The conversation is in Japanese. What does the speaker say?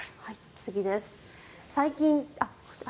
次です。